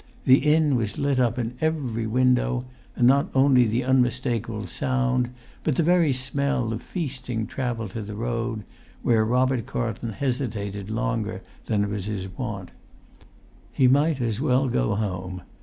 The inn was lit up in every window, and not only the unmistakable sound, but the very smell of feasting travelled to the road, where Robert Carlton hesitated longer than his wont. He might as well go home.